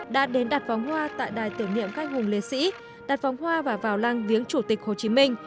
đã đến đặt vóng hoa tại đài tiểu niệm cách hùng lê sĩ đặt vóng hoa và vào lăng viếng chủ tịch hồ chí minh